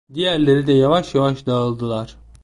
Diğerleri de yavaş yavaş dağıldılar.